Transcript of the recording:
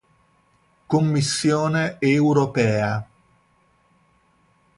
Commissione europea